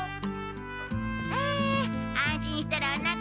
ああ安心したらおなか減った。